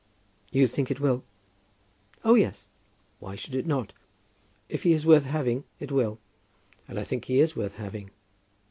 "You think it will?" "Oh, yes. Why should it not? If he is worth having, it will; and I think he is worth having.